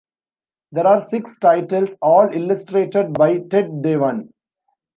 There are six titles, all illustrated by Ted Dewan.